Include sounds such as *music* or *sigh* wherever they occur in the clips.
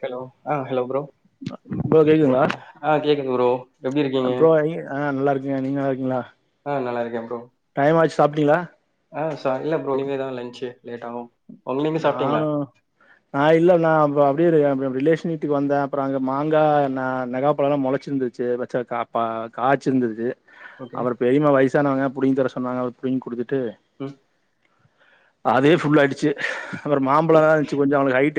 Hello ஆ hello bro ஆ கே க்கு ப்ரோ எப்டி அ இருக்கீங்க ப்ரோ நி ஆ நல்லா இருக்கங்க நீங்க நல்லா இருக்கிங்களா ஆ நல்லா டைம் ஆச்சு சாப்ட்டிங்ளா ஆஹ் ச இல்ல ப்ரோ இனிமே தான் லன்சு லேட் ஆகு உங்க நீங்க சாப்ட்டீங்களா நானும் நான் இல்ல நான் வீடு வாங்க ரிலேஷன் வீட்டுக்கு வந்தேன் அப்புறம் அங்கே மாங்கா ந நகாப்பழம்லா முளைச்சுருந்துச்சு பச்ச காச்சு இருந்துச்சு ஓகே அப்புற பெரியமா வயசானவங்க புடுங்கி தர சொன்னாங்க அத புடிங்கி குடுத்துட் ட்டு ம் அதேஃபுல்லா அய்டிச்சு அப்புற ம். மாம்பழம் இருந்துச்சு கொஞ்ச ஹைட்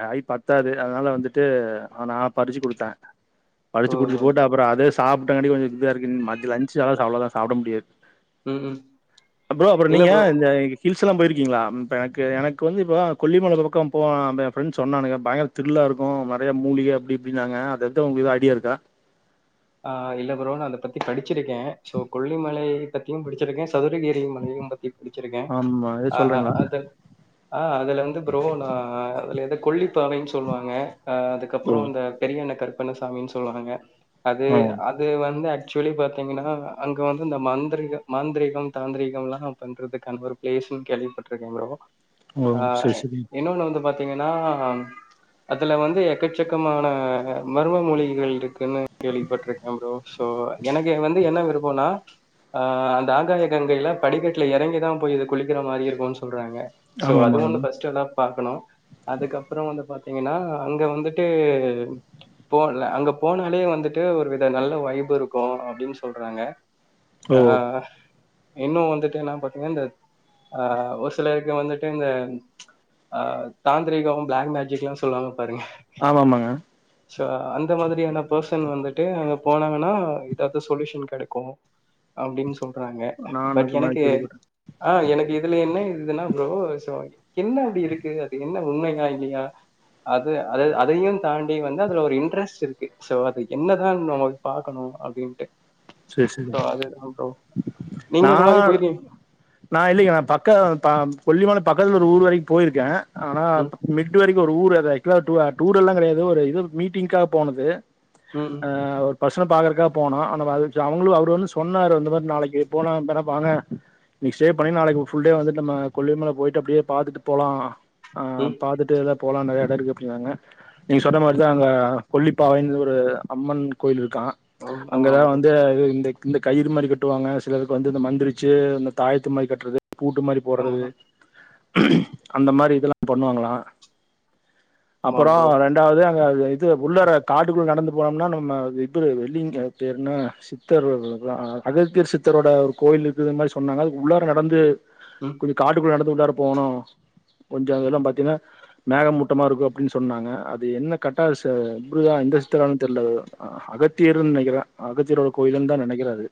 *unintelligible* ஹைட் பத்தாது அதனால வந்துட்டு அதனா பறிச்சு குடுத்தன் ஓ பறிச்சு குடுத்து போட்டு அப்புறம் அது சாப்பிட்டாங்காட்டி கொஞ்ச திருப்திய இருக்கு மதியலன்ச் அவளதான் சாப்பிட முடியது ம் ம் அப்றம் அப்புறம் இல்ல நீங்க ப்ரோ இந்த ஹில்ஸ் ற்றால போயிருக்கீங்களா இப்ப எனக்கு எனக்கு வந்து இப்பதான் கொல்லிமலை பக்கம் போ என் பிரெண்ட் சொன்னானுங்க பயங்கர த்ரில்லா இருக்கு நிறைய மூலிகை அப்படி இப்படின்னாங் அது எது உங்களுக்கு ஐடியா இருக்கா ஆஹ் இல்ல ப்ரோ நான் அதை பத்தி படிச்சிருக்கேன் சோ கொல்லிமலை பத்தியு படிச்சிருக்கேன் சதுரகிரி மலையு பத்தி படிச்சிருக்கேன் ஆமா எது ஆஹ் சொல்றீங்களா அது ஆஹ் அதுல வந்து ப்ரோ நான் அதுல ஏதோ கொல்லிப்பாறை சொல்லுவாங்க அ அதுக்கப்புறம் ஓ இந்த பெரியனைகர் பண்ணசாமின்னு சொல்லுவாங்க அது ஓ அது வந்து ஆக்சுவலி பாத்தீங்கன்னா அங்க வந்து இந்த மந்திரிக மாந்திரிகம் தாந்திரிகம்லாம் பண்ணுறதுக்கான ஒரு பிளேஸ்ன்னு கேள்விப்பட்டிருக்கே ப்ரோ ஓ ஆஹ் சரி சரி இன்னொன்ன வந்து பாத் பாத்தீங்கன்னா அதுல வந்து எக்கச்சக்கமான மர்ம மொழிகள் இருக்குன்னு சோ எனக்கு வந்து என்ன விருப்பம்னா அஹ் அந்த ஆங்காலி கங்கையில படிக்கட்டுல இறங்கிதான் போய் இது குளிக்கிற மாதிரி இருக்கு சொல்றாங்க சோ ஆமா ஆமா அதுவு ஒண்ணு ஃபர்ஸ்ட்ல பாக்கணும் அதுக்கப்புறம் வந்து பாத்தீங்கன்னா அங்க வந்துட்டு போகல அங்க போனாலே வந் வந்துட்டு ஒரு வித நல்ல வைஃபு இருக்கு அப்படின்னு சொல்றாங்க ஓ ஆஹ் இன்னும் வந்துட்டு என்ன பாத்தீங்கா இந்த ஆஹ் ஒரு சிலருக்கு வந்துட்டு இந்த ஆஹ் தாந்திரிகம் பிளாக் மேஜிக்லாம் சொல்லுவாங்க பாருங்க ஆமா ஆமாங்க சோ அந்த மாதிரியான பெர்ஸ் ன் வந்துட்டு அங்க போனாங்கன்னா எதாவது சொலுஷன் கிடைக்கு அப்படின்னு சொல் சொல்றாங்க நான் பட் அது மாதிரி எனக்கு கேள்விப்பட்டேன் ஆஹ் எனக்கு இதுல என்ன இது என்ன ப்ரோ என்ன அப்படி இருக்கு அது என்ன உண்மையா இல்லையா அது அதையு தாண்டி வந்து அதுல ஒரு இன்ட்ரஸ்ட் இருக்கு சோ என்னதான் நம்ம பாக்கணு அப்படின்ட்டு செரி செரி நீங்க இந்த மாரி நான் போயிருக்கீங் நான் இல்லைங்க நான் பக்க கொல்லிமல பக்கதுல ஒரு ஊர் வரைக்கு போயிருக்கேன் ஆனா ம் மெட்டு வரைக்கு ஒரு ஊரு து ஆக்சுலா டூ அ டூட் எல்லா கெடையாது ஒரு இது மீட்டிங்க்கா போனது ம் ஆஹ் பசங்கள பாக்கறக்கா போனோ அந்த *unintelligible* சேர் அவங்களு அவரு வந்து சொன்னாரு இந்த மாரி நாளைக்கு போலா *unintelligible* வாங்க இன்னிக் ஸ்டே பண்ணி நாளைக்கு ஃபுல் டே வந்துட்டு நம்ம கொல்லிமல போயிட்டு அப்டியே பாத்துட்டு போலா ம் ஆஹ் ம் பாத்துட்டு அதா போலா நெறைய எடோ இருக்கு அப்டினாங்க நீங்க சொன்ன மாரி தா அங்க கொல்லிப்பாவைன் ஒரு அம்மன் கோயிலிருக் அஹ் ஆமா ப்ரோ *unintelligible* இந்த இந்த கயிறு மாரி கட்டுவாங்க சிலருக்கு வந்து இந்த மந்திரிச்சு இந்த தாயத்து மாரி கட்றது பூட்டு மாரி போட்றது ஆமா அந்த மாரி இதெல்லா பண்ணுவாங்களா ஆமா அப்பறோ ப்ரோ ரெண்டாவது அது இது உள்ளார காட்டுகுள்ள நடந்து போனம்னா நம்ம *unintelligible* வெள்ளிங்கு பேரு என்ன சித்தரு ஒரு அ அ அகத்தியர் சித்தரோட ஒரு கோயில்ருக்குதுன் மாரி சொன்னாங்க அதுக் உள்ளார நடந்து ம் கொஞ்ச காட்டுக்குள்ள நடந் து உள்ளார போனு கொஞ்சோ அதெல்லா பாத்தினா மேக மூட்டமா இருக்கு அப்டின் சொன்னாங்க அது என்ன கட்டாஸ்ஸு *unintelligible* இந்த சித்தரான்னு தெர்ல அ அ அகத்தியருன் நெனைக்கறே அகத்தியரோ கோயிலுன்தா நெனைக்கறே அது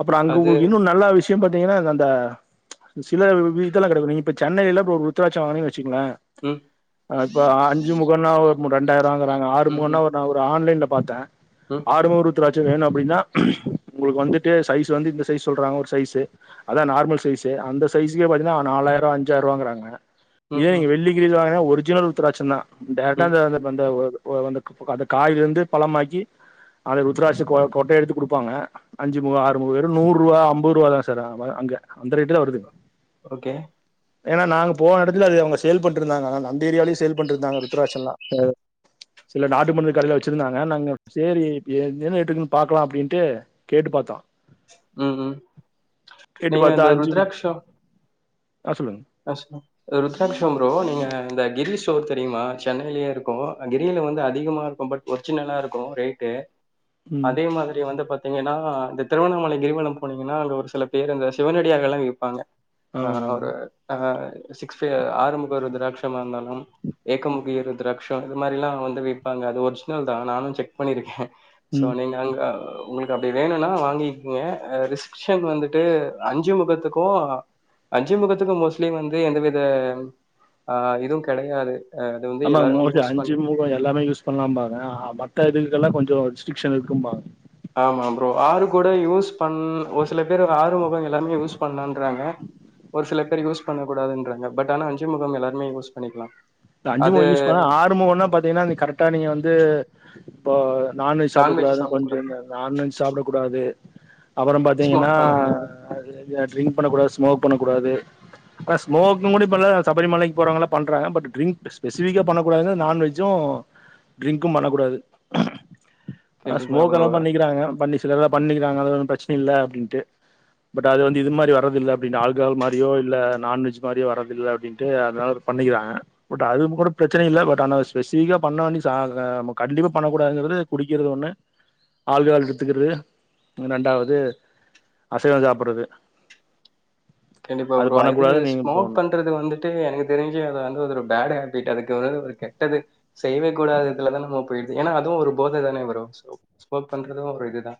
அப்றோ அங்க அது ஒர் இன்னு நல்லா விஷ்யோ பா த்தீங்னா அது அந்த சில வி இதல்லா கெடைக்கு நீ இப்ப சென்னைல இப்ப ருத்ராட்சோ வாங்னீங் வெச் சிங்ளே ம் அ இப்ப ஆ அஞ்சு முகன்னா ஒரு மூ ரெண்டாய்ருவாங்க றாங்க ஆறு ம் முகன்னா ம் ஒர் ந ஒரு ஆன்லைன்ல பாத்தே ம் ஆறு முக ருத்ராட் சோ வேணு அப்டின்னா உங்களுக் வந்துட்டு சைஸ் வந்து இந்த சைஸ் சொல்றாங்க ஒரு சைசு அதா நார்மல் சைசு அந்த சைசுக்கே பாத்தீன்னா நாலாய்ரோ அஞ்சாய் ருவாங்கறாங்க இத ம் நீங்க ம் வெள்ளிங்கிரில வாங்கனா ஒரு ஒர்ஜினல் ருத்தராட்சந்தா டேரட்டா ம் அந்த அந்த பந்த போது ஒ வந்த *unintelligible* அந்த காயிலருந்து பழமாக்கி அத ருத்ராட்ச கொ கொட்ட எடுத்து குடுப்பாங்க அஞ்சு முகோ ஆறு முகோ வெரு நூறு ரூவா அம்பருவாதா சார் அ ப அங்க அந்த ரேட்டு தா வருதுங் ஓகே ஏனா நாங்க போன எடத்துல அது அவங்க சேல் பண்ட்ருந்தாங்க அதனால் தா அந்த ஏரியாவ்லியு சேல் பண்ட்ருந்தாங்க ருத்ராட்சல்லா சில நாட்டு மருந்து கடைல வச்சிருந்தாங்க நாங்க சேரி இப் எ ட்டிருகுனு பாக்லா அப்டின்டு கேட்டு பாத்தோ உம் உம் கேட்டு நீங்க பாத்தா எந்த அஞ்சு ருத்ராட்ச ஆ சொல்லுங்க ருத்ராட்சம் ப்ரோ நீங்க இந்த கிரி ஸ்டோர் தெரியுமா சென்னையிலியே இருக்கு கிரியில வந்து அதிகமாருக்கு பட் ஒரிஜினலாருக்கு ரேட்டு ம் அதே மாதிரி வந்து பத் பாத்தீங்னா இந்த திருவண்ணாமலை கிரிவலம் போனீங்கனா அங்க ஒரு சில பேரு அந்த சிவனடியாகலா விப்பாங்க ஆமா ஆஹ் ஆமாங்க அவரு ஆஹ் சிக்ஸ்ப ஆறுமுகர் ருத்ராட்சமாக இருந்தாலு ஏக்கம் முகிய ருத்ராட்ச இது மாரிலா வந்து விப்பாங்க அது ஒரிஜினல்தா நானு செக் பண்ணிருக்க சோ ம் நீங்க அங்க உங்களுக்கு அப்டி வேணும்னா வாங்கிக்கங்க ரிஷன் வந்துட்டு அஞ்சு முகத்துக்கு அஞ்சு முகத்துக்கு மோஸ் வந்து எந்தவித ஆஹ் இதுவு கெடையாது அது வந்து ஆமாங்க எல்லாருமே மோஸ்டி யூஸ் அஞ்சு பண்ணி முக எல்லாமே யூஸ் பண்ணலா பாங்க மத்த இதுக்கெல்லா கொஞ்சோ ஸ்ட்ரிக்ஷன் இருக்கும்மா ஆமா ப்ரோ ஆறு கூட யூஸ் பண் ஒரு சில பேர் ஆறு முகம் எல்லாருமே யூஸ் பண்ணலான்றாங்க ஒரு சில பேர் யூஸ் பண்ண கூடாதுன்றாங்க பட் ஆனா அஞ்சு முக எல்லாருமே யூஸ் பண்ணிக்கலா அஞ்சு முக அது யூஸ் பண்ணன் ஆறு முகன்னா பாத்தீங்கன்னா நீ கரெக்டா நீங்க வந்து போ நான்வெஜ் சாப்பிடக்கூடாது கொஞ்ச இந்த நான்வெஜ் சாப்டக்கூடாது அப்பற பாத்தீங்கன்னா ஸ்மோக் பண்ணக்கூடாது ஆஹ் ட்ரிங்க் பண்ணக்கூடாது ஸ்மோக் பண்ண கூடாது கா ஸ்மோக்கிங் கூட இப்ப சபரி மலைக்கு போறவ பண்றாங்க பட் ட்ரிங்க் ஸ்பெசிஃபிக்கா பண்ணக்கூடாதுன்ன நான்வெஜ்ஜு ட்ரிங்க்கு பண்ணக்கூடாது ஆஹ் கண்டிப்பா ப்ரோ ஸ்மோக்ல்லா பண்ணிக்கிறாங்க பண்ணி சிலர்ல்லா பண்ணிக்கிறாங்க அது ஒன்னு பிரச்சனை இல்ல அப்படின்ட்டு பட் அது வந்து இது மாரி வரதில்ல அப்படின்ட்டு ஆழ்கால் மாரியோ இல்லலை நான்வெஜ் மாரியோ வரதில்ல அப்டின்ட்டு அதனால அது பண்ணிக்கிறாங்க பட் அதுவு கூட பிரச்சன இல்லை பட் ஆனா ஸ்பெசிபிக்கா பண்ணண்டி *unintelligible* ஆஹ் கண்டிப்பா பண்ணக்க கூடாங்கிறது குடிக்கிறது ஒண்ணு ஆள்கஹாள் எடுத்துக்கிறது ரெண்டாவது அசைவ சாப்பறது கண்டிப்பா ப்ரோ இது ஸ்மோக் பண்றது வந்துட்டு எனக்கு தெரிஞ்சு அத வந்து ஒரு பேட் ஹா போய்ட்டு அதுக்கு ஒரு கெட்டது செய்யவே கூடாதுல தா நம்ம போயிடுது ஏன்னா அதுவு ஒரு போதை தானே ப்ரோ ஸ்மோக் பண்றது ஒரு இதுதா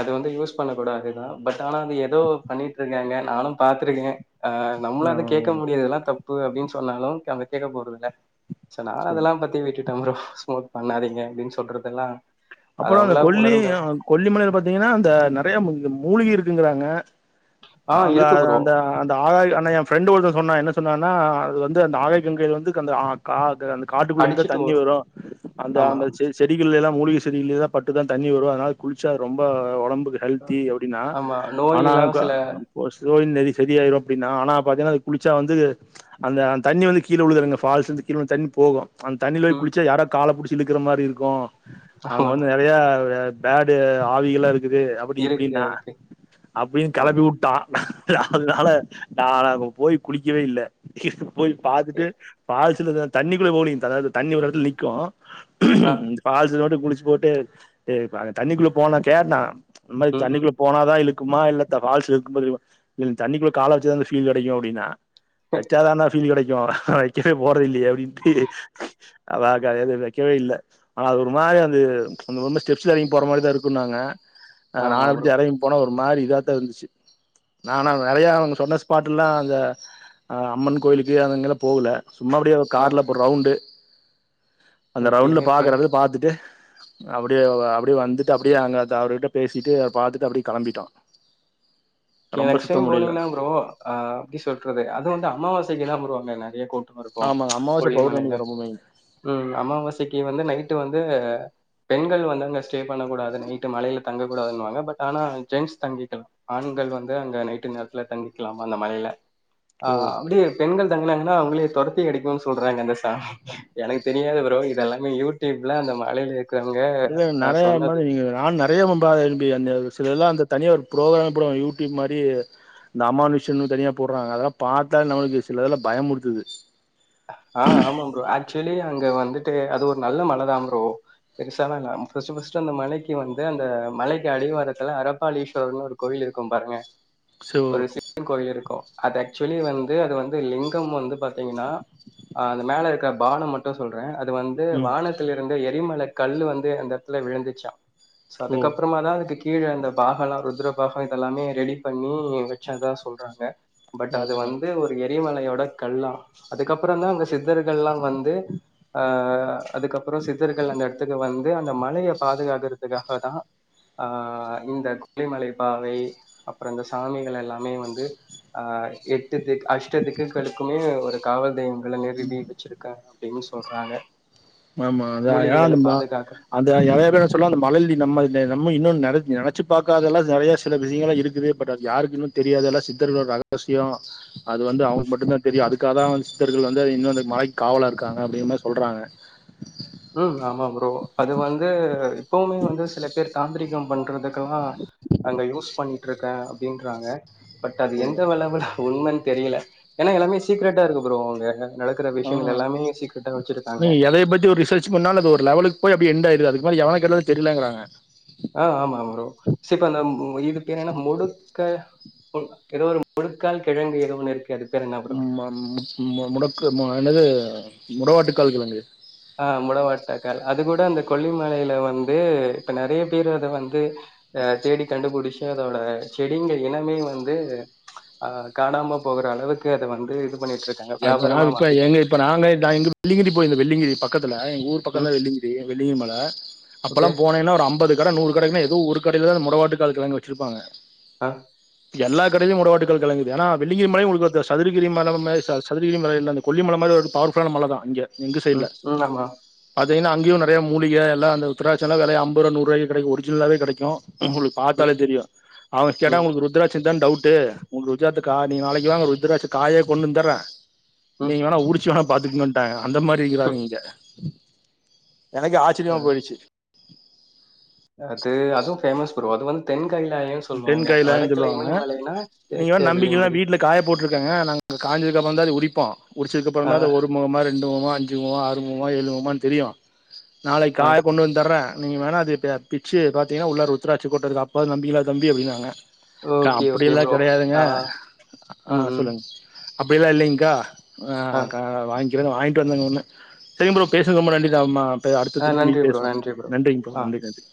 அது வந்து யூஸ் பண்ண கூடாதுதா பட் ஆன அங்க ஏதோ பண்ணட்ருக்காங்க நானு பாத்துருக்கே ஆஹ் நம்மள அத கேட்க ஆ முடியாது அதலா தப் ப்பு அப்டின்னு சொன்னாலு அங்க கேட்க போறதுல ச நா சேரி அதெல்லா பத்தி விட்டுட்டு விட்டே ப்ரோ ஸ்மோக் பண்ணாதீங்க அப்படின்னு சொல்றதெல்லா அப்பற அந்த கொல்லி கொல்லிமலைல பாத்தீங்கன்னா அந்த நெறையா மூல்கை இருக்கு இருக்குங்கறாங்க ஆ அவங்க இருக்கு ப்ரோ அந்த அந்த ஆ ஆனா ஏ ஃப்ரெண்டு ஒருத்த சொன்னா என்ன சொன்னா அது வந்து அந்த ஆக கங்கையையில வந்து அக்க கா அந்த காட்டுக்குள்ள இந்துதா அடிச்சுட்டு தண்ணி வரும் வரு அந்த ஆமா அந்த செ செடிகள்ல எல்லா மூலிகை செடிலியேதா பட்டுதா தண்ணி வரு அதனால குளிச்சா ரொம்ப ஒடம் பு ஹெல்தி அப்டின்னா ஆனா அ நோய் நெரி சரி ஆயிரு அப்டின்னா ஆனா பாத்தீங்கன்னா அது குளிச்சா வந்து அந்த தண்ணி வந்து கீழ விழுதுறங்க ஃபால்ஸ் வந்து கீழ வந்து தண்ணி போகு அந்த தண்ணில போய் ம் குளிச்சா யாரா கால புடுச்சு இழுக்கிற மாரி இரு இருக்கு அங்க ஆமா வந்து நெறயா பேடு ஆவிகெல்லா இரு க்குது அப்படி இருக்கு இப்படின்னா ஓகே அப்படினு ஆமா கிளப்பி விட் அதனால நா அங்க போயி குளிக்கவே இல்ல போய் எ பாத்துட்டு ஃபாஸ் தண்ணிகுள்ள போவ்லிங் அதாது தண்ணி ஒரு எடத்துல நிக்கு ஆ ஃபால்ஸ்கு மட்டு குளிச்சு போட்டு எ தண்ணிக்குள்ள போன கேட்டா அந்த மாரி ம், ம். தண்ணிக்குள்ள போனாதா இழுக் மா இல்ல இந்த வால்ஸ் *unintelligible* இதுல தண்ணிக்குள்ள கால வச்சா தா அந்த ஃபீல் கெடைக்கு அப்படின்னா வச்சா தானா ஃபீல் கெடைக்கு நா வைக்கவே போல இல்லையே அப்படின்ட்டு அதா கா இது வைக்கவே இல்ல ஆனா அது ஒரு மாரி அந்த இது ரொம்ப ஸ்டெப்ஸ்ல எறங்கி போற மாரிதா இருக்குன்னாங்க ஆ நா ஆமா ப்ரோ. அப்டிதா எறங்கி போன ஒரு மாரி இதாத்தா இருந்துச்சு நான நறையா அவுங்க சொன்ன ஸ்பாட் எல்லா அந்த அம்மன் கோயிலுக்கு அதுங்கல்லா போகல சும்மா அப்பிடியே ஆ கார்ல ஒரு ரவுண்டு அந்த ஓகே, ரவுண்ட்ல ஓகே. பாக்குறத பாத்துட்டு அப்டியே அப்டியே வந்துட்டு அப்டியே அங்க அவருகிட்ட பேசிட்டு பாத்துட்டு அப்டியே கெளம்பிட்டோ கே ரொம்ப நெக்ஸ்ட் சுத்த டைம் முடியல போனீங்கன்னா ப்ரோ அ எப்டி சொல்றது அது வந்து அமாவசைக்கு தா ப்ரோ அங்கன *unintelligible* இருக்கு ஆமாங்க அமாவாச கொல்லிமலையில பௌர்ணமி ரொம்ப மெயின் ம் அமாவாசைக்கு வந்து நைட்டு வந்து பெண்கள் வந்து அங்க ஸ்டே பண்ண கூடாது நைட்டு மலையில தங்கக்க கூடாதுனுவாங்க பட் ஆனா ஜென்ஸ் தங்கிக்கலா ஆண்கள் வந் து அங்க நைட்டு நேரத்துல தங்கிக்கலாமா அந்த மலைல ஆ ஓ அப்டியே பெண்கள் தங்களைன்னா அவங்ளே தொரத்தி அடிக்கவு சொல்றாங்க அந்த தாஹ் எனக்கு தெ நியாது ப்ரோ இது எல்லாமே யூடியூப்ல அந்த மழைல இது நெறைய மாதி நீங்க நான் நெறையமம்பாதம்பி அந்த சிலதுலா அந்த தனியாக ஒரு ப்ரோக்ராமே போடுவா யூடியூப் மாரி இந்த அமானுஷ்யனு தனியா போட்றாங்க அதெல்லா பாத்தால் நம்மளுக்கு சில இதுலா பயமுறுத்துது ஆஹ் ஆமாம் ப்ரோ ஆக்சுவலி அங்க வந்துட்டு அது ஒரு நல்ல மலதாம் ப்ரோ பெருசாலா இல்ல ஃபஸ்ட்டு ஃபஸ்ட்டு அந்த மலைக்கு வந்து அந்த மலைக்கு அடிவாரத்துல அரபாளீஸ்வரர்னு ஒரு கோயிலிருக்கு பாருங்க சோ ஒரு சி கோயிலிருக்கு அது ஆக்சுவலி வந்து அது வந்து லிங்கம் வந்து பாத்திங்கனா ஆஹ் அந்த மேலருக்க பானம் மட்டு சொல்றே அத் துவந்து ம் வானத்திலுருந்த எ அடிமல கல்லு வந்து அந்த எடத்துல விழுந்துச்சா சோ ஓ அதுக்கப்றமா தா அதுக்கு கீழ அந்த பாகல்லா ருத்ரபாகொ இதெல்லாமே ரெடி பண்ணி வச்சதா சொல்றாங்க பட் அது ஓ வந்து ஒரு எ அடிமலையோட கல்லா அதுக்கப்றொந்தா அந்த சித் தர்கள்லா வந்து ஆஹ் ஆ அதுக்கப்பறொ சித்தர்கள் அந்த எடத்துக்கு வந் து அந்த மலைய பாதுகாக்கறதுக்காக தா ஆஹ் இந்த கொல்லிமலை பாவை அப்றொ இந்த சாமிகளெல்லாமே வந்து ஆஹ் எட்டு திக் அஷ்ட திக்குகளுக்குமே ஒரு காவல்தெய்வம் லநெருபீ பிச்சிருக்கா டின் சொல்றாங்க ஆமா அதா மூலிகைகள ஏந்துமா பாதுகாக்க அந்த எலயபே சொல்லா அந்த மழல்தி நம்ம எ நம்ம இன்னொன்னு நெடச் நெனச்சு பாக்காதல்லா நெறையா சில விஷயங்களா இருக்குது பட் அது யாருக்கின்னு தெரியாதுல சித்தர்களோட ரகசியொ அது வந்து அவங்க்கு மட்டுந்தா தெரியு அதுக்காகதா வந் சித்தர்கள் வந்து அது இன்னு அந்த மலைக் காவலாருக்காங்க அப்டிங்கமாரி சொல்றாங்க உம் ஆமா ப்ரோ அது வந்து இப்பவுமே வந்து சில பேர் தாந்ரீகம் பண்றதுக் குலா அங்க யூஸ் பண்ணிட்ருக்கே டின்றாங்க பட் அது எந்த வளவுல் உண்மன் தெரியல ஏனா எல்லாமே சீக்ரட்டா இருக்கு ப்ரோ அங்க நடக்குற ஆ விஷயங்கள் எல்லாமே சீக்ரட்டா வச்சிருக்காங்க சொன்னாலு அது ஒரு லெவலுக்கு பொய் அப்டி என்ட்டாய்ருது அதுக்கு மேல எவனக்கேட்டாலு தெரிலங்குறாங்க ஆ ஆமா ப்ரோ. க ஏதோ ஒரு முழுக்கால் கிழங்கு ஏதோ ஒன்னு இருக்கு அது பேர் என்ன ப்ரோ? உம் அம் ம்ம முடக்கு மு என்னது முடவாட்டு கால் கிழங்கு ஆஹ் முடவாட்டக்கால் அது கூட அந்த கொல்லிமலையில வந்து இப்ப நெறைய பேர் அத வந்து அஹ் தேடி கண்டுபிடிச்சு அதோட செடிங்க இனமே வந்து அஹ் காணாம போகுற அளவுக்கு அத வந்து இது பண்ணிட்டு இரு அப்ப நா இப்ப எங்க இ நாங்க எங்க வெள்ளிங்கிரி போயிருந்த வெள்ளிங்கிரி பக்கம் த்துல எங்க ஊர் பக்கோ ம் தா வெள்ளிங்கிரி வெள்ளிங்கி மல அப்பெல்லா ஓகே போனேன்ன ஒரு ஐம்பது கட நூறு கட ஏதோ ஒரு கடையில தா முடவாட்டு கால் கிழங்கு வெச்சிருப்பாங்க ஆஹ இப்ப எல்லா கடையிலையு முடவாட்டுகால் கெழங்கீது ஆனா வெள்ளிங்கிரி மலை மேரி சது சதுரகிரி மலை இல்ல அந்த கொல்ல மாரி ஒரு பவர் ஃபுல்லான மல தா இங்க உம் உ ஆமா மெய்னா அங்கேயு நெறைய முலிக எல்ல அந்த உத்தராட்சம்லா ஐம்பது நூரு ரூபாய்க்கு கெடைக்கோ ஒர்ஜினலாவவே கெடைக்கோ உங்களுக்கு ம் பாத்தாலே தெரியு அவுங்க கேட்டா ம் உங்களுக்கு ருத்ரா ராட்சோ தானே டவுட்டு ருத்ராட்சத்த நாளைக்கி வாங்க ருத்ராட்ச காயே கொண்டு வந்து தரே ம் நீங்க வேணா உருச்சு வேணா பாத்துக்கோங்கன்டாங்க அந்த மாரி இருக்குறாங்க ம் இங்க எனக்கு ஆச்சரியமாக அஹ் போயிடுச்சு அது அதுவும் ஃபேமஸ் ப்ரோ அது வந்து தென் கைலாயம் தென் சொல்லுவாங்க கைலாயோன்னு வடக்குல சொல்லுவாங்க இமயமலைனா நீங்க வேணா தேக்க நம்பிக்க இல்லன்னா விளியங்கிரி வீட்டுல காய போட்டிருக்காங்க நாங்க அந்த காஞ்சதுக்கப்புறம்ந்த அத உரிப்போ உரிச்சதுக்கு அப்புறோ ஆ தா அது ஒரு முகமா ரெண்டு முகமா அஞ்சு முகமா அறு முகமா ஏழு முமான்னு தெரியோ நாளைக்கு ஆ காய கொண்டு வந்து தர நீங்க வேணா அது பிச்சி பாத்தீங்கன்னா உள்ள ருத்ராட்ச கொட்ட இருக்கோ அப்பவாது நம்பிக்க தம்பி அப்டின்னாங்க க்கா ஓகே ஓகே அப்டில்லா ப்ரோ கெடையாதுங்க ஆ ம் ஆஹ் ம் சொல்லுங்க அப்டிலா இல்லைங்கா ஆ ஆஹ் கா வாங்கி அப்டின் வாங்கிட்டு வந்தங்க ஒன்னு சேரிங்க ப்ரோ பேசுங்க ரொம்ப நன்றி நா அப்ப அடுத்த ஆ திரும்பியு நன்றி ப்ரோ பேசுவோ நன்றி நன்றிங்க ப்ரோ ஆ நன்றி நன்றி